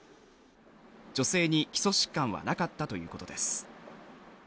女性に基礎疾患はなかったということです